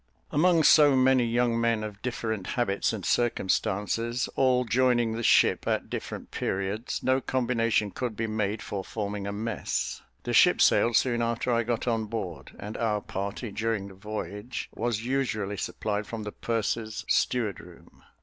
Among so many young men of different habits and circumstances, all joining the ship at different periods, no combination could be made for forming a mess. The ship sailed soon after I got on board, and our party, during the voyage, was usually supplied from the purser's steward room.